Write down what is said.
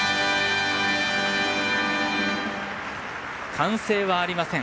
歓声はありません。